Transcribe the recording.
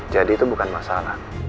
jadi itu bukan masalah